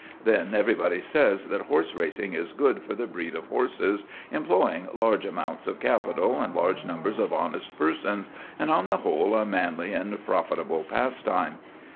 Then everybody says that horse racing is good for the breed of horses, employing large amounts of capital and large numbers of honest persons, and on the whole a manly and profitable pastime.